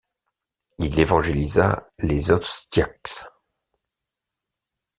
Il évangélisa les Ostiaks.